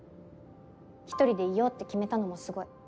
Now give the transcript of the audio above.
１人でいようって決めたのもすごい。